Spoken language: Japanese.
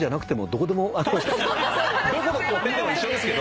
どこの公演でも一緒ですけど。